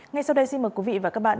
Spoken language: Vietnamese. ngay sau đây xin mời quý vị và các bạn